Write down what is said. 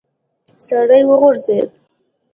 سړی وغورځېد.